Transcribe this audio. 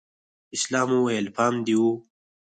اسلام وويل پام دې و.